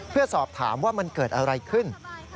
เพื่อสอบถามว่ามันเกิดอะไรขึ้น